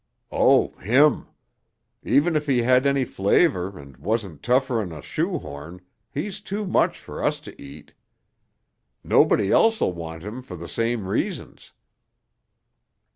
"Oh, him. Even if he had any flavor and wasn't tougher'n a shoehorn, he's too much for us to eat. Nobody else'll want him for the same reasons."